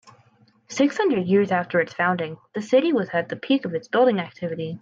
Six hundred years after its founding, the city was at the peak of its building activity.